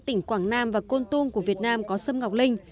có hai tỉnh quảng nam và côn tum của việt nam có sâm ngọc linh